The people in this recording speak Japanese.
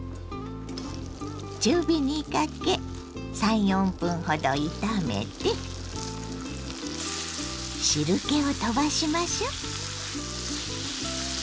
中火にかけ３４分ほど炒めて汁けを飛ばしましょう。